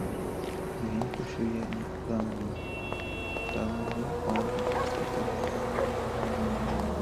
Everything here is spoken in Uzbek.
— Men-ku shu yerning odamiman, — Dalavoy ovozini pasaytirdi.